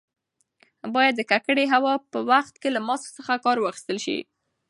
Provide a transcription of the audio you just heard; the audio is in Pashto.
باید د ککړې هوا په وخت کې له ماسک څخه کار واخیستل شي.